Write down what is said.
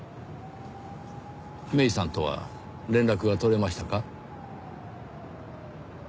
芽依さんとは連絡が取れましたか？